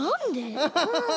フフフフ。